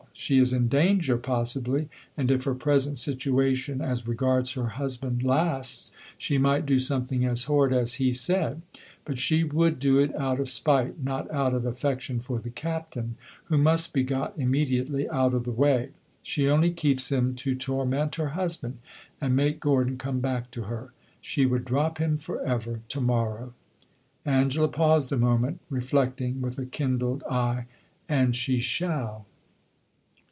She is in danger, possibly, and if her present situation, as regards her husband, lasts, she might do something as horrid as he said. But she would do it out of spite not out of affection for the Captain, who must be got immediately out of the way. She only keeps him to torment her husband and make Gordon come back to her. She would drop him forever to morrow." Angela paused a moment, reflecting, with a kindled eye. "And she shall!"